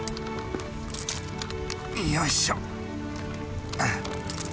よいしょ。